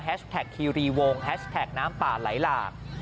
ไฮชแจคอริวงแฮชแจคน้ำป่าหลายหลาก